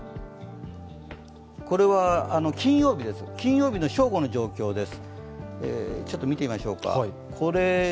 これは金曜日の正午の状況です。